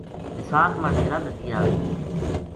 بِساکھ ما ڈیرا لَدیا